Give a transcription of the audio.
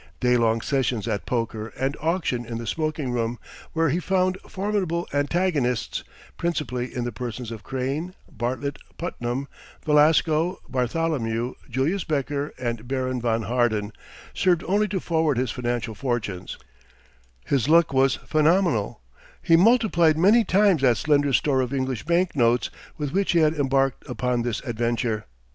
Day long sessions at poker and auction in the smoking room where he found formidable antagonists, principally in the persons of Crane, Bartlett Putnam, Velasco, Bartholomew, Julius Becker and Baron von Harden served only to forward his financial fortunes; his luck was phenomenal; he multiplied many times that slender store of English banknotes with which he had embarked upon this adventure.